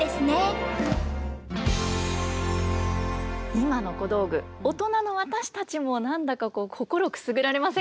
今の小道具大人の私たちも何だか心くすぐられませんか？